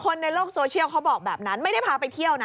คนในโลกโซเชียลเขาบอกแบบนั้นไม่ได้พาไปเที่ยวนะ